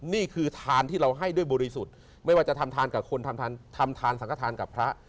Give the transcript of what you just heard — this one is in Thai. นี่คือทานที่เราให้ด้วยบริสุทธิ์ไม่ว่าจะทำทานกับคนทำทานสังฆฐานกับพระ